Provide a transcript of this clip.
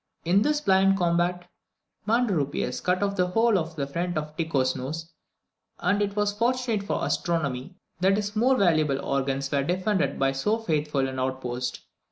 In this blind combat, Manderupius cut off the whole of the front of Tycho's nose, and it was fortunate for astronomy that his more valuable organs were defended by so faithful an outpost.